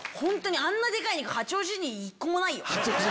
あんなデカい肉八王子に一個もないよ。